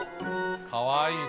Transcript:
かわいいな。